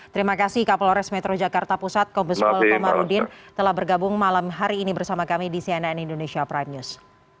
terima kasih kapolres metro jakarta pusat kombespol komarudin telah bergabung malam hari ini bersama kami di cnn indonesia prime news